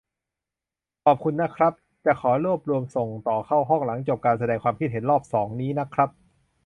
ขอบคุณนะครับ จะขอรวบรวมส่งต่อเข้าห้องหลังจบการแสดงความคิดเห็นรอบสองนี้นะครับ